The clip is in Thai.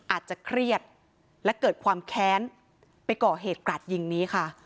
อาจจะเครียดและเกิดความแค้นไปก่อเหตุกราดยิงนี้ค่ะ